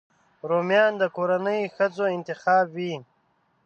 رومیان د کورنۍ ښځو انتخاب وي